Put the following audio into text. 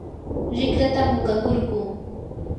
rikratam muqakurquu.